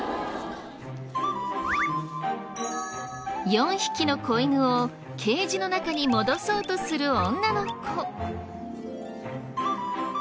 ４匹の子犬をケージの中に戻そうとする女の子。